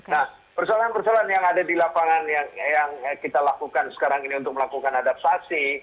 nah persoalan persoalan yang ada di lapangan yang kita lakukan sekarang ini untuk melakukan adaptasi